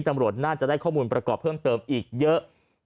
ตำรวจน่าจะได้ข้อมูลประกอบเพิ่มเติมอีกเยอะ